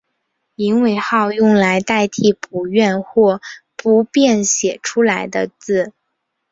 隐讳号用来代替不愿或不便写出来的字。